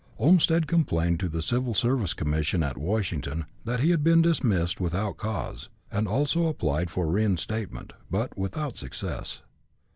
Olmstead complained to the Civil Service Commission at Washington that he had been dismissed without cause, and also applied for reinstatement, but without success.